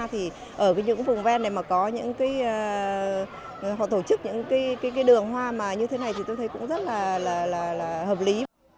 thì ở những vùng ven này mà có những cái họ tổ chức những cái đường hoa mà như thế này thì tôi thấy cũng rất là hợp lý